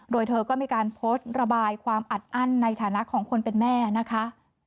โดยเธอก็มีการโพสต์ระบายความอัดอั้นในฐานะของคนเป็นแม่นะคะ